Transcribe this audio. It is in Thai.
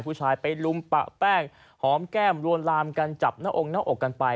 ผู้ชายไปลุมปะแป้งหอมแก้มลวนลามกันจับหน้าองค์หน้าอกกันไป